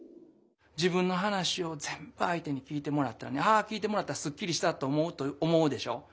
自分の話をぜんぶ相手に聞いてもらったらね「あ聞いてもらったすっきりした」と思うと思うでしょ？